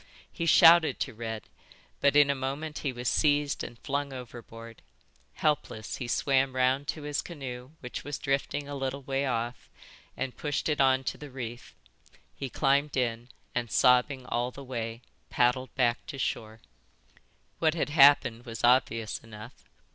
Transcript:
He shouted to Red, but in a moment he was seized and flung overboard. Helpless, he swam round to his canoe which was drifting a little way off, and pushed it on to the reef. He climbed in and, sobbing all the way, paddled back to shore." "What had happened was obvious enough.